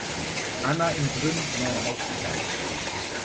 Anna in Brünn neu aufgebaut.